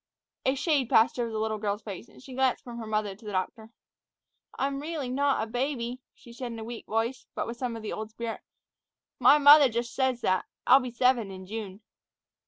A shade passed over the little girl's face, and she glanced from her mother to the doctor. "I'm really not a baby," she said in a weak voice, but with something of the old spirit; "my mother jus' says that. I'll be seven in June."